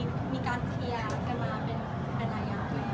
ก็มีการเคลียร์กันมาเป็นหลายอย่างแล้วค่ะ